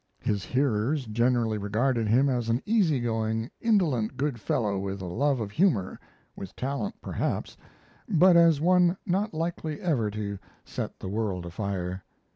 His hearers generally regarded him as an easygoing, indolent good fellow with a love of humor with talent, perhaps but as one not likely ever to set the world afire.